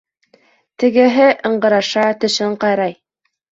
Тегеһе ыңғыраша, тешен ҡайрай.